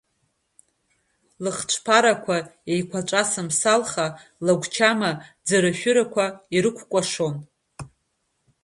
Лыхцәԥарақәа еиқәаҵәа самсалха, лыгәчама ӡыры-шәырқәа ирықәкәашон.